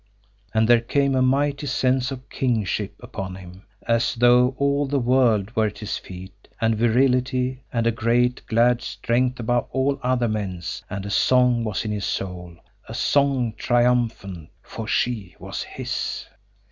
And there came a mighty sense of kingship upon him, as though all the world were at his feet, and virility, and a great, glad strength above all other men's, and a song was in his soul, a song triumphant for she was his!